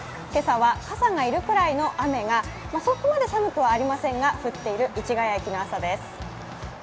今朝は傘が要るくらいの雨が、そこまで寒くはありませんが、降っている市ケ谷駅の朝です。